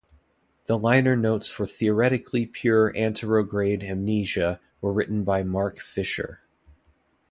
The liner notes for "Theoretically Pure Anterograde Amnesia" were written by Mark Fisher.